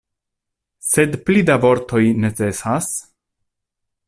Sed pli da vortoj necesas?